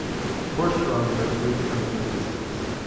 Horse rugs are used for many reasons.